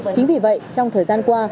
chính vì vậy trong thời gian qua